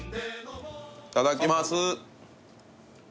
いただきます